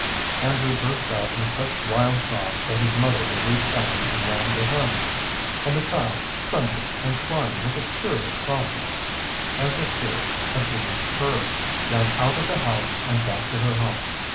Andrew burst out in such wild sobs that his mother released Ellen and ran to him; and the child, trembling and crying with a curious softness, as of fear at being heard, ran out of the house and back to her home.